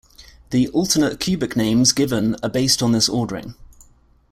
The "alternate cubic" names given are based on this ordering.